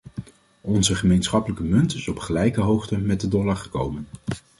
Onze gemeenschappelijke munt is op gelijke hoogte met de dollar gekomen.